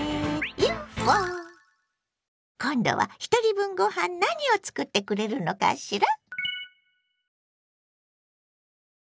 今度はひとり分ご飯何を作ってくれるのかしら？